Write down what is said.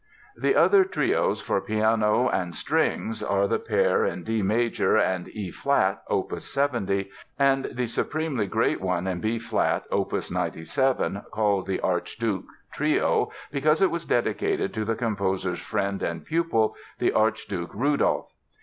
The other trios for piano and strings are the pair in D major and E flat, opus 70, and the supremely great one in B flat, opus 97, called the "Archduke" Trio because it was dedicated to the composer's friend and pupil, the Archduke Rudolph.